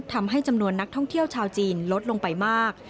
ทำให้จำนวนนักท่องเที่ยวชาวจีนลดลงไปมาก